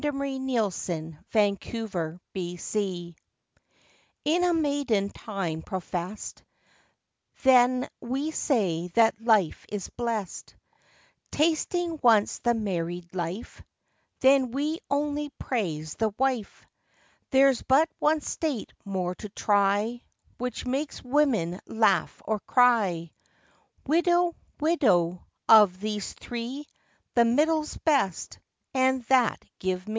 THE THREE STATES OF WOMAN. In a maiden time profess'd, Then we say that life is bless'd; Tasting once the married life, Then we only praise the wife; There's but one state more to try, Which makes women laugh or cry Widow, widow: of these three The middle's best, and that give me.